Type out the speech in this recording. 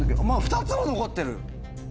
まだ２つも残ってる。